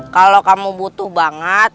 kalau kamu butuh banget